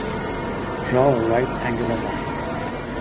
Draw a right-angular line.